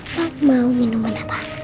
mau minuman apa